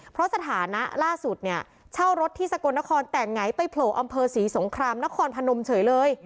เพราะสถานะล่าสุดเนี่ยเช่ารถที่สกลนครแต่ไงไปโผล่อำเภอศรีสงครามนครพนมเฉยเลย